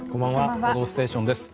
「報道ステーション」です。